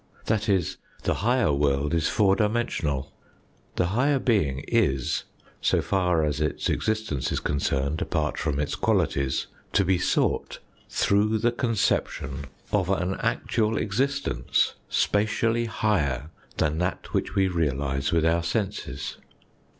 That is, the higher world is four dimensional ; the higher being is, so far as its existence is concerned apart from its qualities, to be sought through the conception of an actual FOUR UIMENSIONAL SPACE 3 existence spatially higher than that which we realise with our senses.